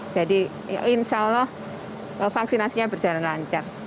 jadi insya allah vaksinasinya berjalan lancar